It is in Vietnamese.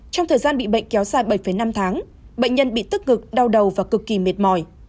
trong thời gian bị bệnh kéo dài bảy năm tháng bệnh nhân bị tức ngực đau đầu và cực kỳ mệt mỏi